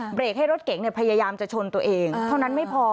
เบรกให้รถเก๋งพยายามจะชนตัวเองเท่านั้นไม่พอ